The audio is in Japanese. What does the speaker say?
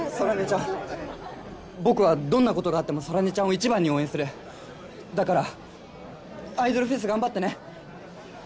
僕はどんなことがあっても空音ちゃんを一番に応援するだから「ＩＤＯＬＦｅｓ」頑張ってね！